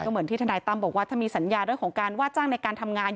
เหมือนที่ทนายตั้มบอกว่าถ้ามีสัญญาเรื่องของการว่าจ้างในการทำงาน